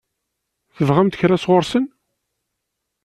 Tebɣamt kra sɣur-sen?